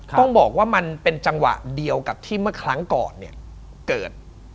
ต้องบอกว่ามันเป็นจังหวะเดียวกับที่เมื่อครั้งก่อนเนี่ยเกิด